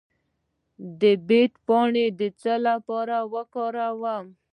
د بید پاڼې د څه لپاره وکاروم؟